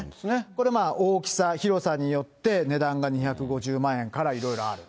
これ、大きさ、広さによって、値段が２５０万円からいろいろある。